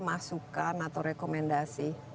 masukan atau rekomendasi